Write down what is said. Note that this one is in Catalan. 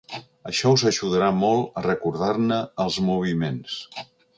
Això us ajudarà molt a recordar-ne els moviments.